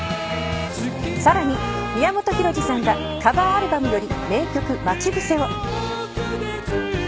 さらに宮本浩次さんがカバーアルバムより名曲『まちぶせ』を。